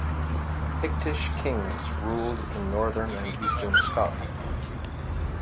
Pictish kings ruled in northern and eastern Scotland.